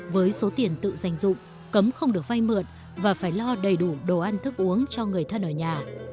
với số tiền tự dành dụng cấm không được vay mượn và phải lo đầy đủ đồ ăn thức uống cho người thân ở nhà